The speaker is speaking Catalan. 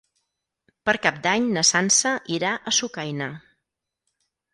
Per Cap d'Any na Sança irà a Sucaina.